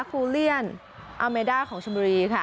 ฟูเลียนอาเมด้าของชมบุรีค่ะ